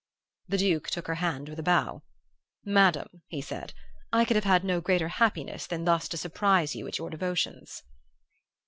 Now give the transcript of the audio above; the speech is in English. "The Duke took her hand with a bow. 'Madam,' he said, 'I could have had no greater happiness than thus to surprise you at your devotions.